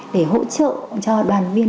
để hỗ trợ cho đoàn viên